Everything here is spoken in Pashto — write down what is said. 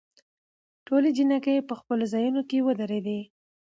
ټولې جینکې په خپلو ځايونوکې ودرېدي.